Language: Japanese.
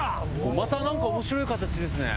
また何か面白い形ですね